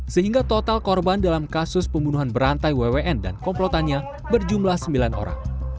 sehingga total korban dalam kasus pembunuhan berantai wwn dan komplotannya berjumlah sembilan orang